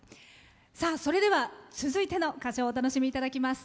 それでは続いての歌唱をお楽しみいただきます。